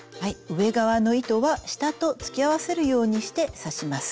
上側の糸は下と突き合わせるようにして刺します。